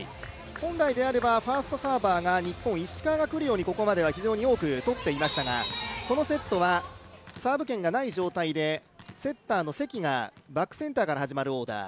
本来であればファーストサーバーに石川が来るようにここまでは日本、多くとっていましたがこのセットはサーブ権がない状態でセッターの関がバックセンターから始まるオーダー。